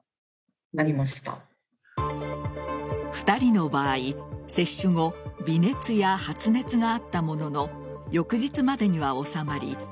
２人の場合、接種後微熱や発熱があったものの翌日までには治まり